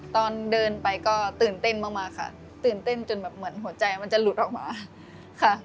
ตอนเดินไปก็ตื่นเต้นมากค่ะตื่นเต้นจนแบบเหมือนหัวใจมันจะหลุดออกมาค่ะ